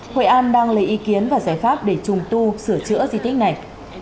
hội an đang lấy ý kiến và giải pháp để trùng tu sửa chữa di tích này